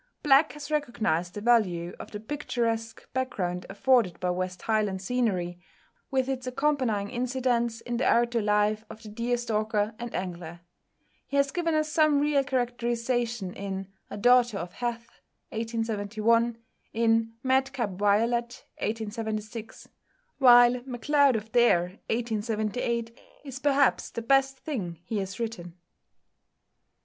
Black has recognised the value of the picturesque back ground afforded by West Highland scenery, with its accompanying incidents in the outdoor life of the deer stalker and angler. He has given us some real characterization in "A Daughter of Heth" (1871), in "Madcap Violet" (1876): while "Macleod of Dare" (1878) is perhaps the best thing he has written.